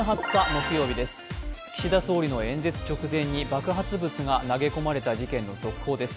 岸田総理の演説直前に爆発物が投げ込まれた事件の続報です。